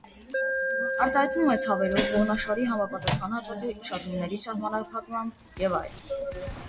Արտահայտվում է ցավերով, ողնաշարի համապատասխան հատվածի շարժումների սահմանափակմամբ և այլն։